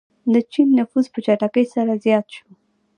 د چین نفوس په چټکۍ سره زیات شو.